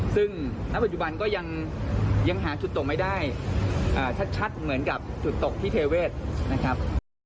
ซึ่งณปัจจุบันก็ยังหาจุดตกไม่ได้ชัดเหมือนกับจุดตกที่เทเวศนะครับ